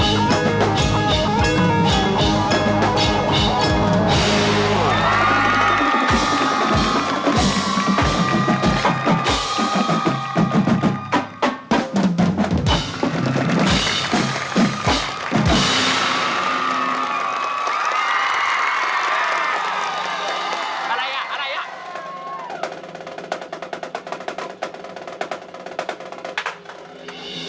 สวัสดีครับ